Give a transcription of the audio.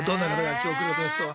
本日のゲストは。